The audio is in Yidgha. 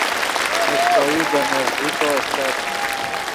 میݰکوئی دے نڤزیکو استت